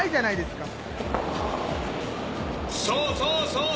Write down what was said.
そうそうそうそう！